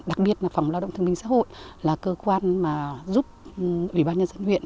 đặc biệt là phòng lao động thông minh xã hội là cơ quan giúp ủy ban nhân dân huyện